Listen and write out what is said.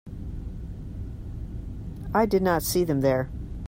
I did not see them there.